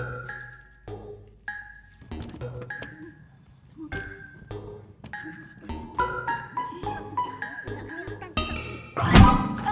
aduh gue kena hapus mon